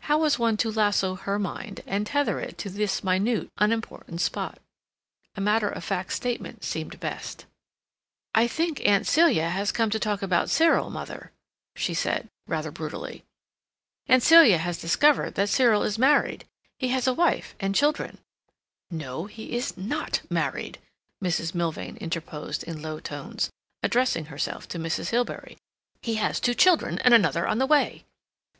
How was one to lasso her mind, and tether it to this minute, unimportant spot? A matter of fact statement seemed best. "I think Aunt Celia has come to talk about Cyril, mother," she said rather brutally. "Aunt Celia has discovered that Cyril is married. He has a wife and children." "No, he is not married," Mrs. Milvain interposed, in low tones, addressing herself to Mrs. Hilbery. "He has two children, and another on the way."